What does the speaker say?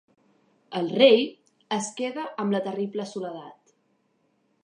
El rei es queda amb la terrible soledat.